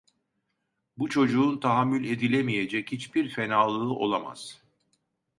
Bu çocuğun tahammül edilemeyecek hiçbir fenalığı olamaz.